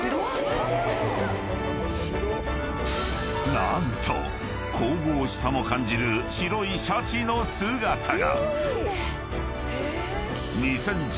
［何と神々しさも感じる白いシャチの姿が］